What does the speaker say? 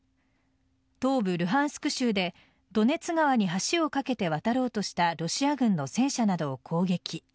東部・ルハンスク州でドネツ川に橋を架けて渡ろうとしたロシア軍の戦車などを攻撃。